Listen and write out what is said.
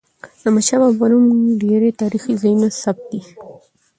د احمدشاه بابا په نوم ډیري تاریخي ځایونه ثبت دي.